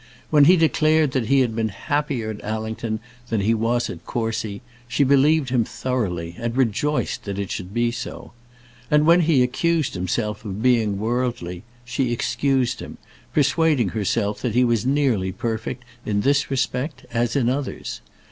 When he declared that he had been happier at Allington than he was at Courcy, she believed him thoroughly, and rejoiced that it should be so. And when he accused himself of being worldly, she excused him, persuading herself that he was nearly perfect in this respect as in others.